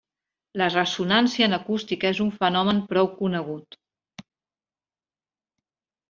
La ressonància en acústica és un fenomen prou conegut.